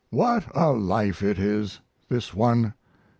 What a life it is! this one!